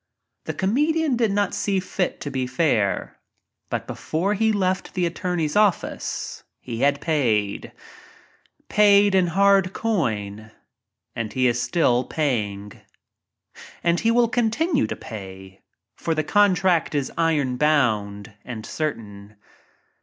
The comedian did not see fit to be fair. But be fore he left the attorney's office he had paid — paid in hard coin — and he is still paying. And he will con tinue to pay — for the contract is iron bound and certain.